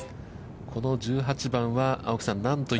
この１８番は、青木さん、何とい